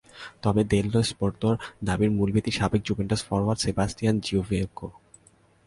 তবে দেল্লো স্পোর্তর দাবির মূল ভিত্তি সাবেক জুভেন্টাস ফরোয়ার্ড সেবাস্টিয়ান জিওভিঙ্কো।